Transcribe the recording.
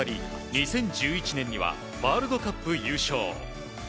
２０１１年にはワールドカップ優勝。